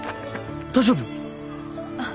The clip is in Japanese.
大丈夫？